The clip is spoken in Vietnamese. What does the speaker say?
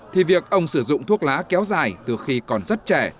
thì việc ông sử dụng thuốc lá kéo dài từ khi còn rất trẻ